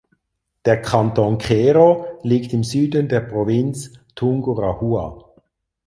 Der Kanton Quero liegt im Süden der Provinz Tungurahua.